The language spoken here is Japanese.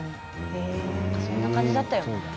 そんな感じだったよね。